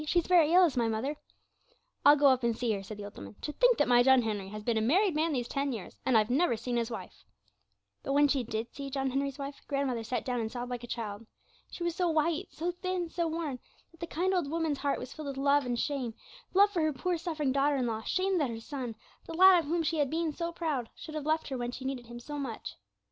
'She's very ill, is my mother.' 'I'll go up and see her,' said the old woman. 'To think that my John Henry has been a married man these ten years, and I've never seen his wife!' But when she did see John Henry's wife, grandmother sat down and sobbed like a child. She was so white, so thin, so worn, that the kind old woman's heart was filled with love and with shame love for her poor suffering daughter in law, shame that her son, the lad of whom she had been so proud, should have left her when she needed him so much.